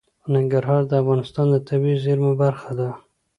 ننګرهار د افغانستان د طبیعي زیرمو برخه ده.